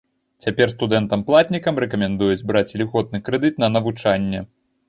Цяпер студэнтам-платнікам рэкамендуюць браць ільготны крэдыт на навучанне.